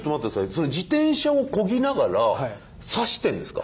それ自転車をこぎながら刺してんですか？